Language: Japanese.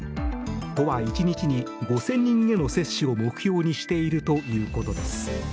都は１日に５０００人への接種を目標にしているということです。